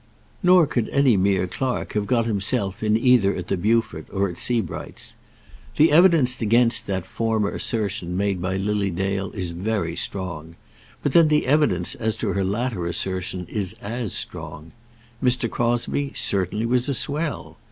Nor could any mere clerk have got himself in either at the Beaufort or at Sebright's. The evidence against that former assertion made by Lily Dale is very strong; but then the evidence as to her latter assertion is as strong. Mr. Crosbie certainly was a swell.